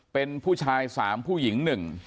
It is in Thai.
เป็นผู้ชาย๓ผู้หญิง๑